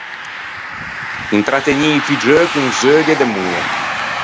Intrattegnî i figgeu con zeughi e demoe.